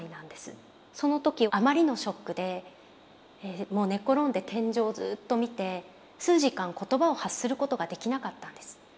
その時あまりのショックでもう寝転んで天井をずっと見て数時間言葉を発することができなかったんです。